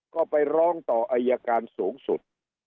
ก็ไปร้องต่ออายการสูงสุด